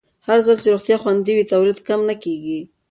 هرځل چې روغتیا خوندي وي، تولید کم نه کېږي.